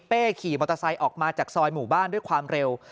ขี่มอเตอร์ไซค์ออกมาจากซอยหมู่บ้านด้วยความเร็ว